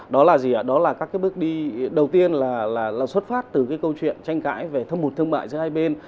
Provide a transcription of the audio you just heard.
đó là gì ạ đó là các cái bước đi đầu tiên là xuất phát từ cái câu chuyện tranh cãi về thâm mục thương mại giữa hai bên